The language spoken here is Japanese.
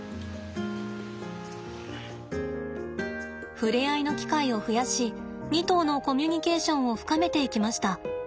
触れ合いの機会を増やし２頭のコミュニケーションを深めていきました。